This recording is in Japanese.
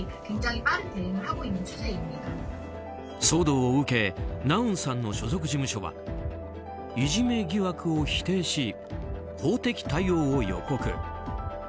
騒動を受けナウンさんの所属事務所はいじめ疑惑を否定し法的対応を予告。